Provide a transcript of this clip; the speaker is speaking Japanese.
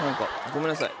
ごめんなさい。